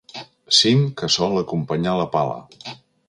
Cim que sol acompanyar la pala.